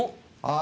あ。